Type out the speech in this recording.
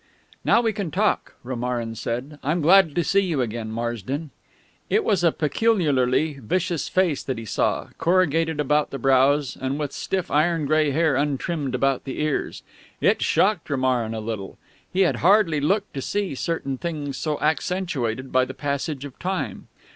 "Now we can talk," Romarin said. "I'm glad, glad to see you again, Marsden." It was a peculiarly vicious face that he saw, corrugated about the brows, and with stiff iron grey hair untrimmed about the ears. It shocked Romarin a little; he had hardly looked to see certain things so accentuated by the passage of time.